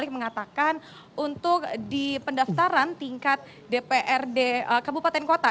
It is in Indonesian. mengatakan untuk di pendaftaran tingkat dprd kabupaten kota